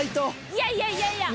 いやいやいやいや。